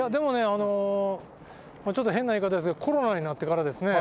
あのちょっと変な言い方ですがコロナになってからですね